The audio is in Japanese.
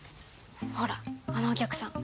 ほらあのお客さん